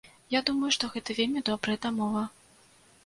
Я думаю, што гэта вельмі добрая дамова.